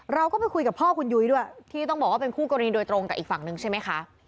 เราก็ไปคุยกับพ่อคุณยุ้ยด้วยที่ต้องบอกว่าเป็นคู่กรณีโดยตรงกับอีกฝั่งนึงใช่ไหมคะ